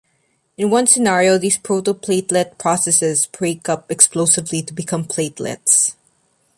In one scenario, these proto-platelet processes break up explosively to become platelets.